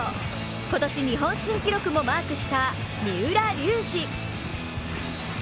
今年日本新記録もマークした三浦龍司。